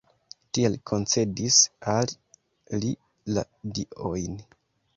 Tiel koncedis al li la diojn.